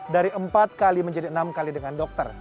dari empat kali menjadi enam kali dengan dokter